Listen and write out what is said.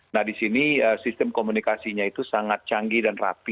nah di sini sistem komunikasinya itu sangat canggih dan rapi